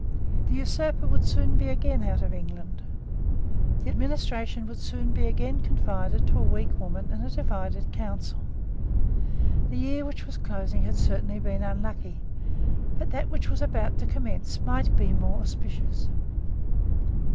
The usurper would soon be again out of England. The administration would soon be again confided to a weak woman and a divided council. The year which was closing had certainly been unlucky; but that which was about to commence might be more auspicious.